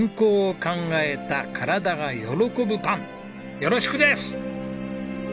よろしくです！